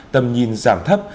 tầm nhìn giảm thấp